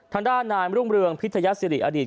ทางด้านนายมรุ่งเรืองพิทยาศิริอดีต